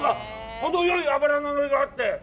ほどよい脂の乗りがあって。